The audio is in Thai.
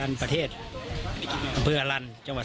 อักหวัดกี่ครั้งระหวัว